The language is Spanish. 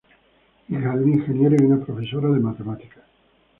Hija de un ingeniero y una profesora de matemáticas.